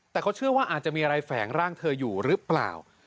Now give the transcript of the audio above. แต่เขาเชื่อว่าอาจจะมีอะไรแฝงร่างเธออยู่หรือเปล่า